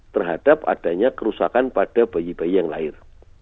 terhadap adanya kerusakan pada bayi bayi yang lahir